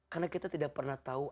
karena kita tidak pernah tahu